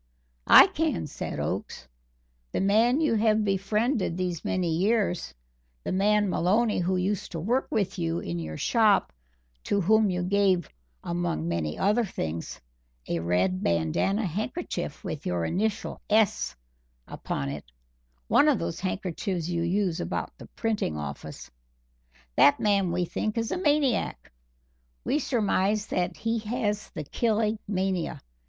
"I can," said Oakes. "The man you have befriended these many years, the man Maloney who used to work with you in your shop, to whom you gave, among many other things, a red bandana handkerchief with your initial 'S' upon it one of those handkerchiefs you use about the printing office that man, we think, is a maniac. We surmise that he has the killing mania.